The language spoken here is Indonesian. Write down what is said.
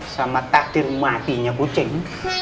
sama takdir matinya kucing